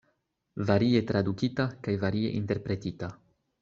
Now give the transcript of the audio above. Varie tradukita kaj varie interpretita.